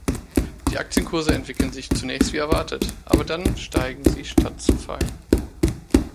Die Aktienkurse entwickeln sich zunächst wie erwartet, aber dann steigen sie statt zu fallen.